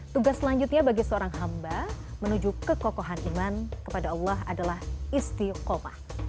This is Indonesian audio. tugas selanjutnya bagi seorang hamba menuju kekokohan iman kepada allah adalah istiqomah